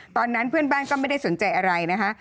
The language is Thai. ตอนนั้นเพื่อนบ้านก็ไม่ได้สนใจอะไรนะคะ